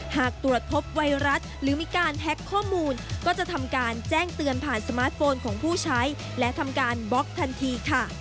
หากตรวจพบไวรัสหรือมีการแท็กข้อมูลก็จะทำการแจ้งเตือนผ่านสมาร์ทโฟนของผู้ใช้และทำการบล็อกทันทีค่ะ